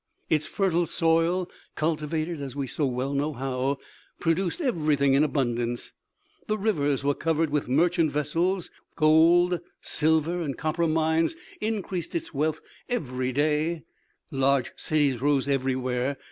Its fertile soil, cultivated as we so well know how, produced everything in abundance; the rivers were covered with merchant vessels; gold, silver and copper mines increased its wealth every day; large cities rose everywhere.